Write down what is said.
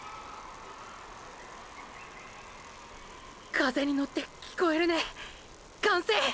風にのって聞こえるね歓声！！